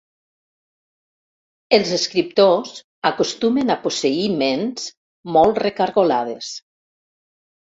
Els escriptors acostumen a posseir ments molt recargolades.